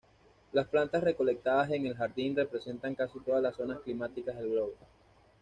Las plantas recolectadas en el jardín representan casi todas las zonas climáticas del globo.